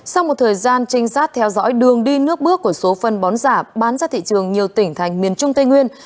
sau một thời gian trinh sát theo dõi đường đi nước bước của số phân bón giả bán ra thị trường nhiều tỉnh thành miền trung tây nguyên